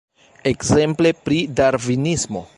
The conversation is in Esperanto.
Ekzemple pri Darvinismo.